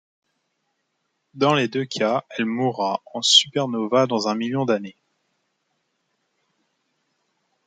Dans les deux cas, elle mourra en supernova dans un million d'années.